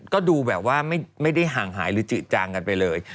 ก็ดูแบบว่าไม่ได้ห่างหายหรือจืดจางกันไปเลย